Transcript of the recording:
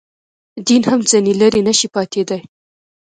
دین هم ځنې لرې نه شي پاتېدای.